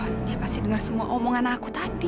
dia pasti dengar semua omongan aku tadi